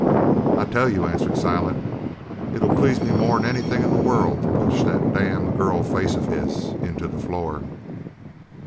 "I tell you," answered Silent, "it'll please me more'n anything in the world to push that damned girl face of his into the floor."